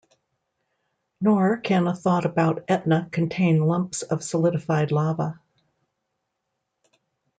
Nor can a thought about Etna contain lumps of solidified lava.